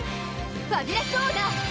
ファビュラスオーダー！